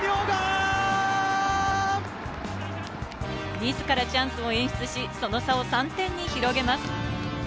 自らチャンスを演出し、その差を３点に広げます。